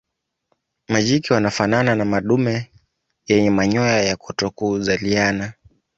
Majike wanafanana na madume yenye manyoya ya kutokuzaliana.